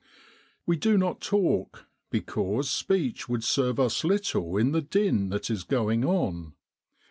We do not talk, because speech would serve us little in the din that is going on.